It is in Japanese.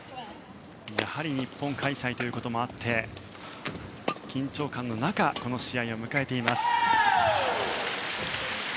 やはり日本開催ということもあって緊張感の中この試合を迎えています。